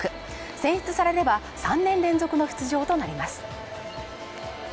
選出されれば３年連続の出場となります。